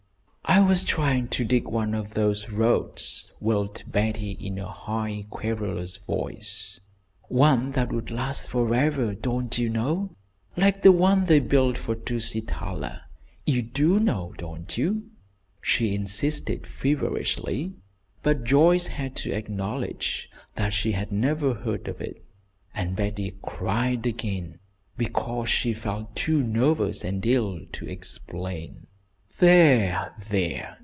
"I was trying to dig one of those roads," wailed Betty, in a high, querulous voice. "One that would last for ever, don't you know? like the one they built for Tusitala. You do know, don't you?" she insisted, feverishly, but Joyce had to acknowledge that she had never heard of it, and Betty cried again, because she felt too nervous and ill to explain. "There, there!